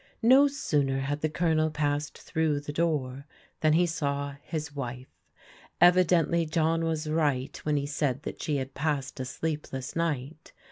No sooner had the Colonel passed through the door than he saw his wife. Evidently John was right when he said that she had passed a sleepless night.